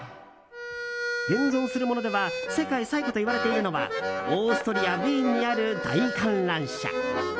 現存するものでは世界最古といわれているのはオーストリア・ウィーンにある大観覧車。